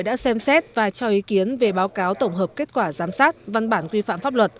đã xem xét và cho ý kiến về báo cáo tổng hợp kết quả giám sát văn bản quy phạm pháp luật